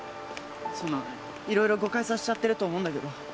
そのいろいろ誤解させちゃってると思うんだけど